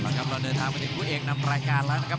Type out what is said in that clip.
ขอบคุณครับเราเดินทางกับผู้เอกนำรายการแล้วนะครับ